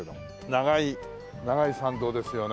長い長い参道ですよね